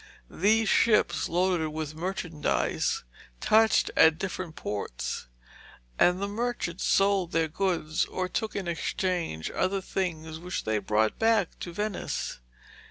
These ships, loaded with merchandise, touched at different ports, and the merchants sold their goods or took in exchange other things which they brought back to Venice.